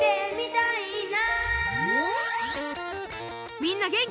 みんなげんき？